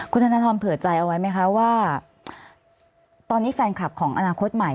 คุณธนทรเผื่อใจเอาไว้ไหมคะว่าตอนนี้แฟนคลับของอนาคตใหม่